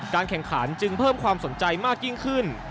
แข่งขันจึงเพิ่มความสนใจมากยิ่งขึ้น